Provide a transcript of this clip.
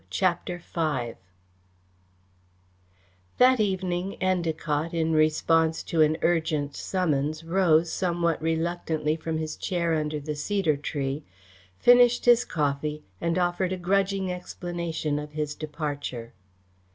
CHAPTER V That evening Endacott, in response to an urgent summons, rose somewhat reluctantly from his chair under the cedar tree, finished his coffee and offered a grudging explanation of his departure.